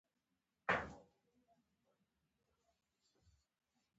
که زه په ځان باندې پوهېږم چې زه نر يمه که ښځه.